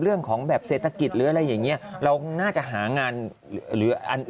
เรื่องของแบบเศรษฐกิจหรืออะไรอย่างนี้เราน่าจะหางานหรืออัน